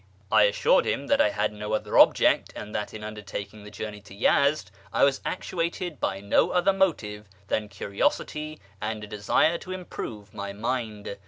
I assured him that I had no other object, and that in undertaking the journey to Yezd I was actuated by no other motive than curiosity and a desire to improve my mind.